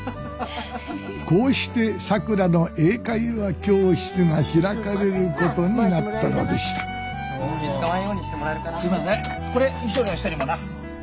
こうしてさくらの英会話教室が開かれることになったのでしたこれ後ろの人にもな回してな。